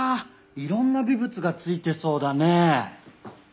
いろんな微物が付いてそうだね。